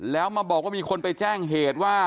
แล้วมาบอกว่ามีคนไปแจ้งเหตุว่า